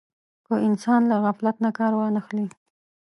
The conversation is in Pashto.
که انسان له غفلت نه کار وانه خلي.